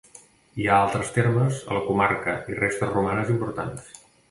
Hi ha altres termes a la comarca i restes romanes importants.